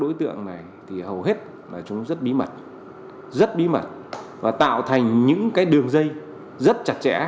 đối tượng này thì hầu hết là chúng rất bí mật rất bí mật và tạo thành những cái đường dây rất chặt chẽ